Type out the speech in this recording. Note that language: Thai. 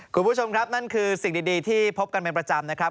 คุณผู้ชมครับนั่นคือสิ่งดีที่พบกันเป็นประจำนะครับ